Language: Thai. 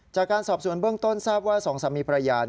จากการสอบสวนเบื้องต้นทราบว่าสองสามีภรรยา